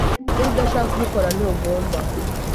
Niba udashaka kubikora, ntugomba.